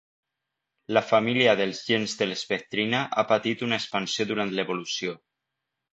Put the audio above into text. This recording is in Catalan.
La família dels gens de l'espectrina ha patit una expansió durant l'evolució.